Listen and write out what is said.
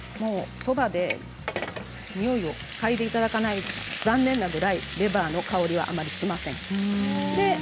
そばで、においをかいでいただけないのが残念なぐらいレバーの香りがあまりしません。